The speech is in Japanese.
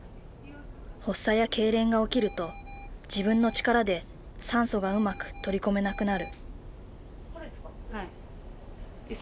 発作やけいれんが起きると自分の力で酸素がうまく取り込めなくなる。